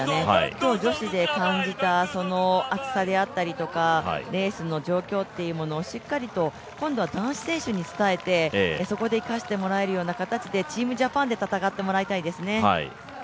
今日、女子で感じた暑さであったりとかレースの状況っていうものをしっかりと今度は男子選手に伝えて、そこで生かしてもらえるような形でチームジャパンで戦ってもらいたいですね。